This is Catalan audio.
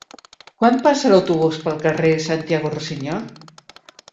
Quan passa l'autobús pel carrer Santiago Rusiñol?